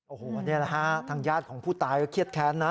โอ้โหนี่แหละฮะทางญาติของผู้ตายก็เครียดแค้นนะ